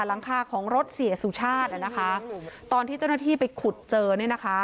หลังคาของรถเสียสุชาติอ่ะนะคะตอนที่เจ้าหน้าที่ไปขุดเจอเนี่ยนะคะ